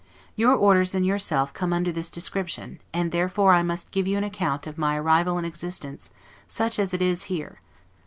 Your orders and yourself come under this description; and therefore I must give you an account of my arrival and existence, such as it is, here.